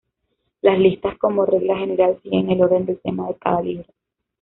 Las listas, como regla general, siguen el orden del tema de cada libro.